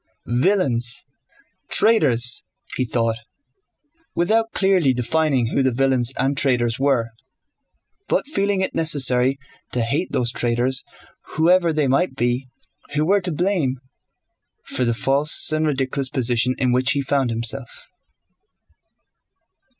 Villains! Traitors!" he thought, without clearly defining who the villains and traitors were, but feeling it necessary to hate those traitors whoever they might be who were to blame for the false and ridiculous position in which he found himself.